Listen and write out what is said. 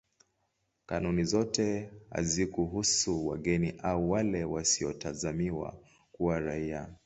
Kanuni zote hazikuhusu wageni au wale wasiotazamiwa kuwa raia.